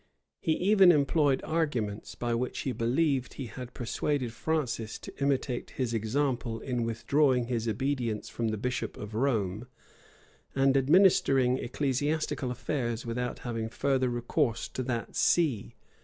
He even employed arguments, by which he believed he had persuaded Francis to imitate his example in withdrawing his obedience from the bishop of Rome, and administering ecclesiastical affairs without having further recourse to that see.